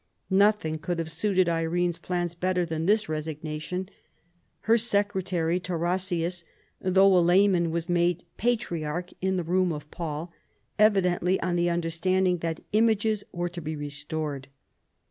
Noth ing could have suited Irene's plans bettor than this resignation. Her secretary Tarasius, though a lay man, was made patriarch in the room of Paul, evi dently on the understanding that images were to be restored.